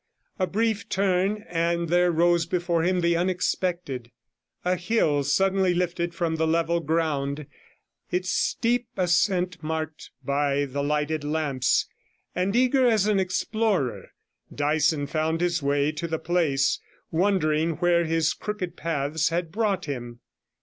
A brief turn, and there rose before him the unexpected, a hill suddenly lifted from the level ground, its steep ascent marked by the lighted lamps, and eager as an 127 explorer, Dyson found his way to the place, wondering where his crooked paths had brought him.